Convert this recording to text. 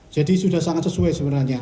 jadi sudah sangat sesuai sebenarnya